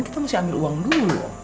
kita mesti ambil uang dulu